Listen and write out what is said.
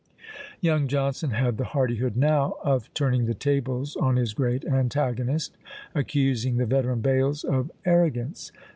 Young Johnson had the hardihood now of turning the tables on his great antagonist, accusing the veteran Bales of arrogance.